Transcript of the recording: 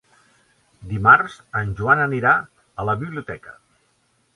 Dimarts en Joan anirà a la biblioteca.